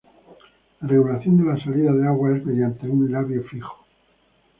La regulación de la salida de agua es mediante un Labio fijo.